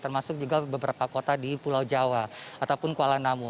termasuk juga beberapa kota di pulau jawa ataupun kuala namu